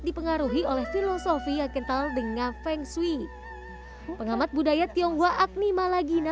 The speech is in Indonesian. dipengaruhi oleh filosofi yang kental dengan feng shui pengamat budaya tionghoa agni malagina